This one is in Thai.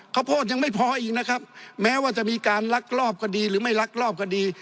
ข้าวโพดยังไม่พออีกนะครับแม้ว่าจะมีการลักลอบก็ดีหรือไม่ลักลอบก็ดี